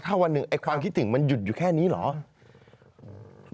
ถ้าวันหนึ่งไอ้ความคิดถึงมันหยุดอยู่แค่นี้เหรอ